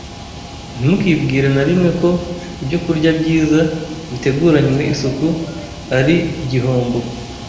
Ntimukibwire na rimwe ko ibyokurya byiza, biteguranywe isuku, ari igihombo